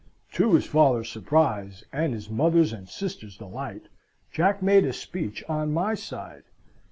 To his father's surprise and his mother's and sister's delight, Jack made a speech on my side.